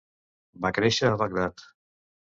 Va créixer a Bagdad.